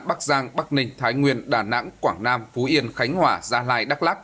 bắc giang bắc ninh thái nguyên đà nẵng quảng nam phú yên khánh hòa gia lai đắk lắc